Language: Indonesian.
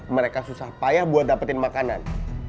mereka susah payah buat dapetin makanan